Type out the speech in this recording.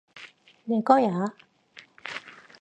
내 거야!